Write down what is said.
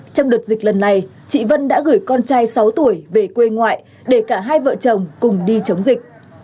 trong đợt dịch lần này chị vân đã gửi con trai sáu tuổi về quê ngoại để cả hai vợ chồng cùng đi chống dịch